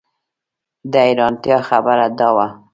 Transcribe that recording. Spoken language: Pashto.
د حیرانتیا خبره دا وه.